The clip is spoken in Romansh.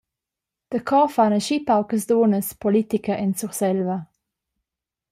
Daco fan aschi paucas dunnas politica en Surselva?